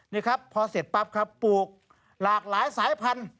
นี่ครับพอเสร็จปั๊บครับปลูกหลากหลายสายพันธุ